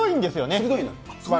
鋭いの？